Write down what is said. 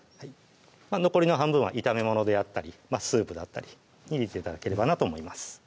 残りの半分は炒めものであったりスープだったりに入れて頂ければなと思います